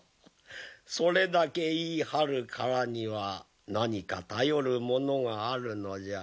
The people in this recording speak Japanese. それだけ言い張るからには何か頼るものがあるのじゃろう。